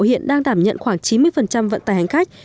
hiện đang đảm nhận khoảng chín mươi vận tài hành khách